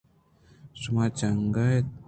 شما جنْگ ءَ اِت